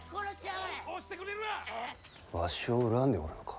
わしを恨んでおるのか？